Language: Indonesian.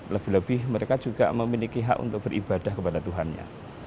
lebih lebih mereka juga memiliki hak untuk beribadah kepada tuhannya